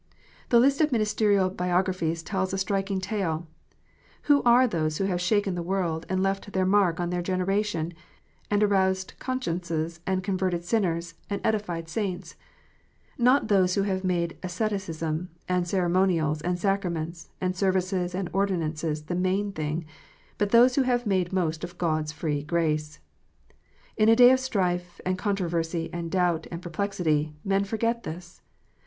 The list of ministerial biographies tells a striking tale. Who are ^ those who have shaken the world, and left their mark on their generation, and aroused consciences, and converted sinners, and edified saints 1 Not those who have made asceticism, and ceremonials, and sacraments, and services, and ordinances the main thing ; but those who have made most of God s free grace ! In a day of strife, and controversy, and doubt, and perplexity, men forget this.